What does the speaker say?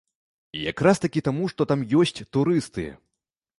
Як раз такі таму, што там ёсць турысты.